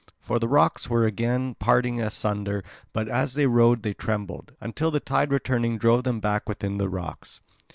For the rocks were again parting asunder. But as they rowed they trembled, until the tide returning drove them back within the rocks.